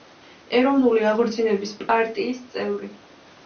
ეროვნული აღორძინების პარტიის წევრი.